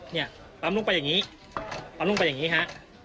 เนี่ยปั๊มลูกไปอย่างนี้ปั๊มลูกไปอย่างนี้ฮะ